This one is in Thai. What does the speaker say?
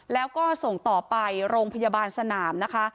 แล้วก็ส่งต่อไปโรงพยาบาลสนามนะคะ